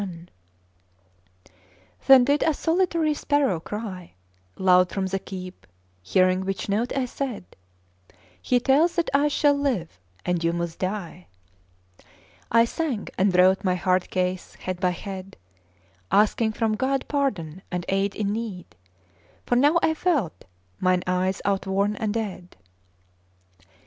Then did a solitary sparrow cry Loud from the keep; hearing which note, I said: "He tells that I shall live and you must die!" I sang, and wrote my hard case, head by head, Asking from god pardon and aid in need, For now If felt mine eyes outworn and dead.